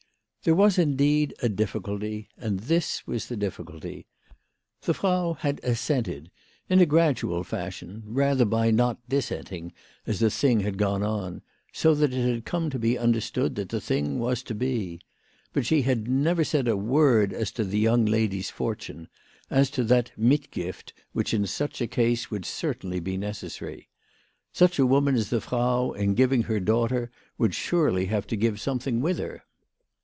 There was, indeed, a difficulty ; and this was the difficulty. The Frau had assented in a gradual fashion, rather by not dissenting as the thing had gone on, so that it had come to be understood that the thing was to be. But she had never said a word as to the young lady's fortune as to that " mitgift " which in such a case would certainly be necessary. Such a woman as the Frau in giving her daughter would surely have to give something with her.